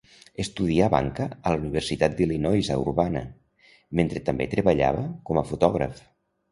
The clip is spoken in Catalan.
Estudià banca a la Universitat d'Illinois a Urbana, mentre també treballava com a fotògraf.